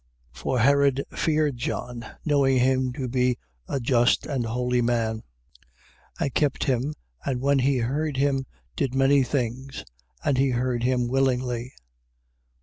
6:20. For Herod feared John, knowing him to be a just and holy man: and kept him, and when he heard him, did many things: and he heard him willingly.